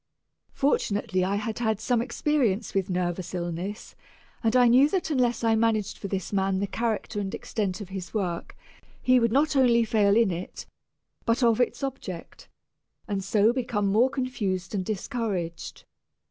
Fortunately I had had some experience with nervous illness, and I knew that unless I managed for this man the character and extent of his work, he would not only fail in it, but of its object, and so become more confused and discouraged.